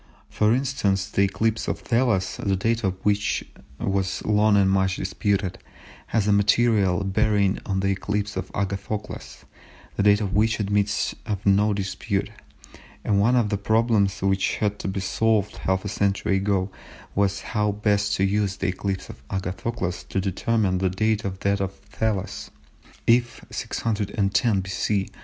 For instance, the eclipse of Thales, the date of which was long and much disputed, has a material bearing on the eclipse of Agathocles, the date of which admits of no dispute; and one of the problems which had to be solved half a century ago was how best to use the eclipse of Agathocles to determine the date of that of Thales. If 610 B.C.